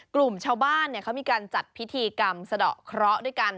กลุ่มชาวบ้านเขามีการจัดพิธีกรรมสะดอกเคราะห์ด้วยกัน